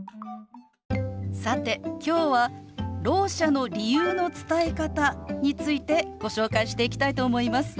さて今日はろう者の理由の伝え方についてご紹介していきたいと思います。